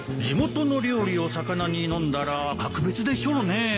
地元の料理をさかなに飲んだら格別でしょうね